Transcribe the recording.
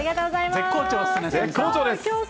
絶好調です。